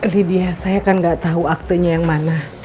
lydia saya kan gak tau aktenya yang mana